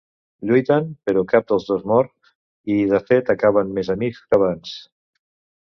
Lluiten però cap dels dos mor, i de fet acaben més amics que abans.